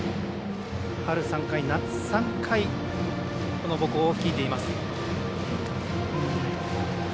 春３回、夏３回母校を率いています。